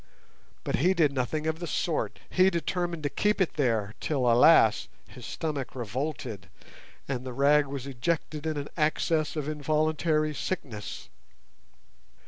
But he did nothing of the sort; he determined to keep it there till, alas! his stomach "revolted", and the rag was ejected in an access of involuntary sickness.